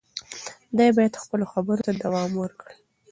دی باید خپلو خبرو ته دوام ورکړي.